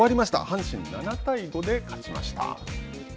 阪神が７対５で勝ちました。